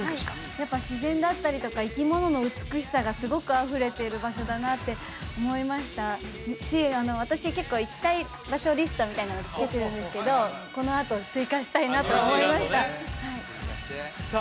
やっぱ自然だったりとか生き物の美しさがすごくあふれてる場所だなって思いましたし私結構行きたい場所リストみたいなのつけてるんですけどこのあと追加したいなと思いましたさあ